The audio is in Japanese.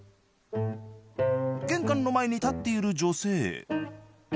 玄関の前に立っている女性。